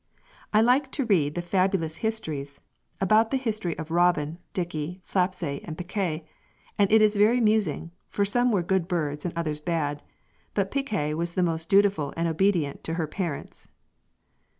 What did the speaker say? "I like to read the Fabulous historys, about the histerys of Robin, Dickey, flapsay, and Peccay, and it is very amusing, for some were good birds and others bad, but Peccay was the most dutiful and obedient to her parients."